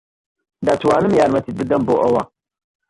دەتوانم یارمەتیت بدەم بۆ ئەوە؟